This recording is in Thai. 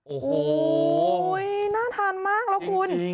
โอ้โหน่าทานมากแล้วคุณ